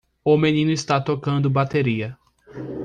O menino está tocando bateria.